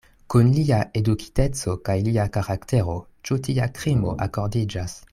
Kun lia edukiteco kaj lia karaktero ĉu tia krimo akordiĝas?